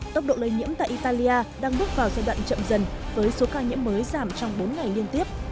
tốc độ lây nhiễm tại italia đang bước vào giai đoạn chậm dần với số ca nhiễm mới giảm trong bốn ngày liên tiếp